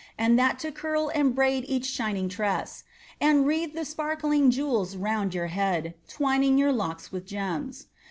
And that to curl and braid each shining tress. And wreath the sparkling jewels round your head. Twining your lock^ with gems.